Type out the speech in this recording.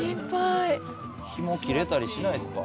ひも切れたりしないですか？